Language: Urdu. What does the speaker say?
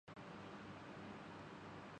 یہاں جنگلی بکریاں